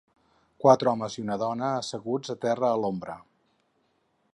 Quatre homes i una dona asseguts a terra a l'ombra.